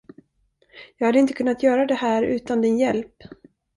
Jag hade inte kunnat göra det här utan din hjälp.